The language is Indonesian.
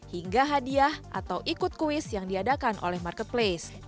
hingga hadiah atau ikut kuis yang diadakan oleh marketplace